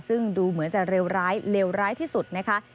ซึ่งดูเหมือนจะเลวร้ายเลวร้ายที่สุดนะคะ